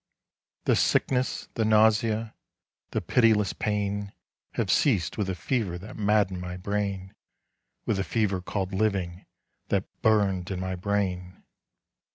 The sickness—the nausea—The pitiless pain—Have ceased, with the feverThat madden'd my brain—With the fever called 'Living'That burn'd in my brain.